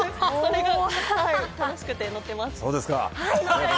それが楽しくて乗ってます。